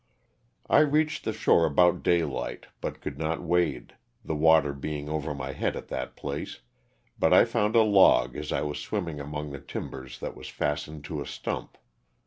I reached the shore about daylight but could not wade, the water being over my head at that place, but I found a log as I w^as swimming among the timbers that was fastened to a stump.